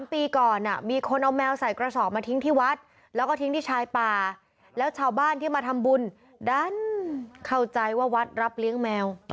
ปีก่อนมีคนเอาแมวใส่กระสอบมาทิ้งที่วัดแล้วก็ทิ้งที่ชายป่าแล้วชาวบ้านที่มาทำบุญดันเข้าใจว่าวัดรับเลี้ยงแมว